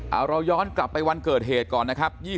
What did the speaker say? เอาเราย้อนกลับไปวันเกิดเหตุก่อนนะครับ